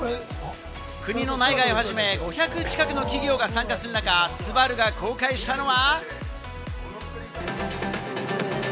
国の内外をはじめ、５００近くの企業が参加する中、スバルが公開したのが。